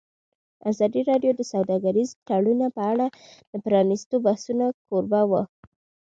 ازادي راډیو د سوداګریز تړونونه په اړه د پرانیستو بحثونو کوربه وه.